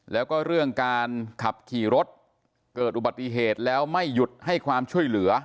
แล้วก็เรื่องการขับขี่รถเกิดอุบัติเหตุแล้วไม่หยุดให้ความช่วยเหลือ